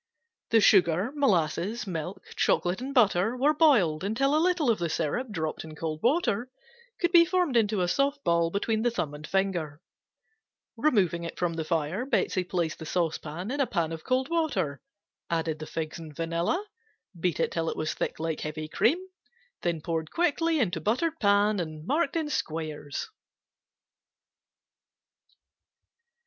The sugar, molasses, milk, chocolate and butter were boiled until a little of the syrup dropped in cold water could be formed into a soft ball between the thumb and finger; removing it from the fire Betsey placed the saucepan in a pan of cold water, added the figs and vanilla, beat till it was thick like heavy cream, poured quickly into buttered pan and marked in squares.